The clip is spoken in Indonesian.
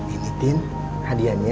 ini tin hadiahnya